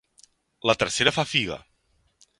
La tercera fa figa.